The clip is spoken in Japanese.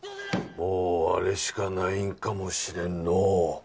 もうアレしかないんかもしれんのう